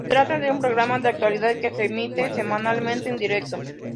Se trata de un programa de actualidad que se emite semanalmente en directo.